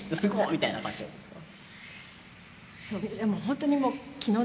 みたいな感じだったんですか？